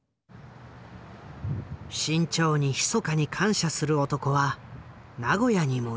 志ん朝にひそかに感謝する男は名古屋にもいる。